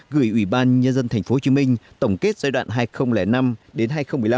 gửi ubnd tp hcm tổng kết giai đoạn hai nghìn năm hai nghìn một mươi năm